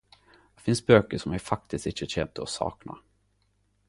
Det finst bøker som eg faktisk ikkje kjem til å sakne.